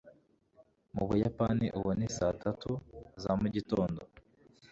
mu buyapani, ubu ni saa tatu za mugitondo